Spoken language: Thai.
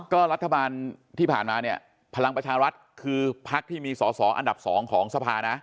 ก็รัฐบาลที่ผ่านมาเนี่ยพลังประชารัฐคือพักที่มีสอสออันดับ๒ของสภานะ